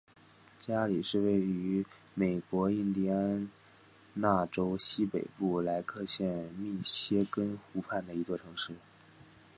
加里是位于美国印第安纳州西北部莱克县密歇根湖畔的一座城市。